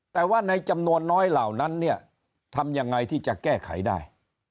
แต่ว่าในจำนวนน้อยเหล่านั้นเนี่ยทำยังไงที่จะแก้ไขได้